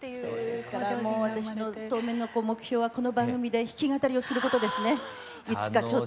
ですから私の当面の目標はこの番組で弾き語りをすることですね。